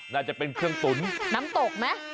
น่าจะเป็นเครื่องตุ๋นน้ำตกไหม